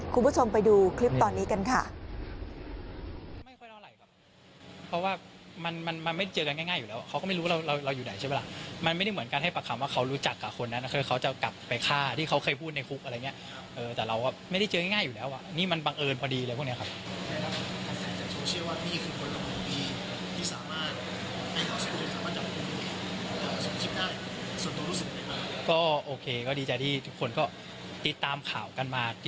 คุณผู้ชมไปดูคลิปตอนนี้กันค่ะ